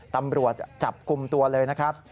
ตำรวจจับกลุ่มตัวเลยนะครับ